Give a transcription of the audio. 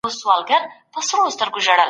تاسو به د خپل ژوند هره شېبه ارزښتناکه ګڼئ.